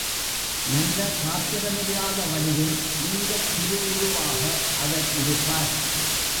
நல்ல காத்திரமில்லாத வடிவில் லிங்கத் திருஉருவாக அவர் இருப்பார்.